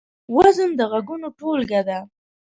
وزن د غږونو ټولګه ده.